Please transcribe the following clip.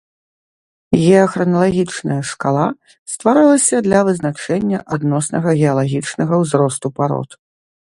Геахраналагічная шкала стваралася для вызначэння адноснага геалагічнага ўзросту парод.